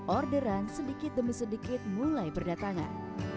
orderan sedikit demi sedikit mulai berdatangan